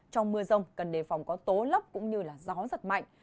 trong mưa rông cần đề phòng có tố lốc cũng như gió giật mạnh